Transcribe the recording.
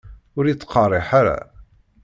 Ur yettqerriḥ ara.